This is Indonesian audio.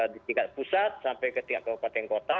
di tingkat pusat sampai ke tingkat kabupaten kota